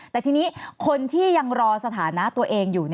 แต่ทีนี้คนที่ยังรอสถานะตัวเองอยู่